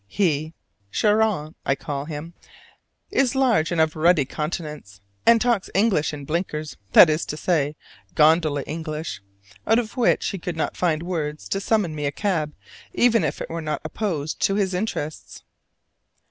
He "Charon," I call him is large and of ruddy countenance, and talks English in blinkers that is to say, gondola English out of which he could not find words to summon me a cab even if it were not opposed to his interests.